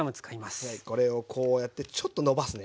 これをこうやってちょっと伸ばすね。